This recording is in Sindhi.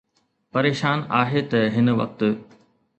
پريشان آهي ته هن وقت